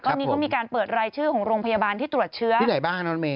ตอนนี้ก็มีการเปิดรายชื่อของโรงพยาบาลที่ตรวจเชื้อที่ไหนบ้างฮะน้องเมย